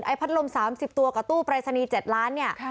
พัดลม๓๐ตัวกับตู้ปรายศนีย์๗ล้านเนี่ย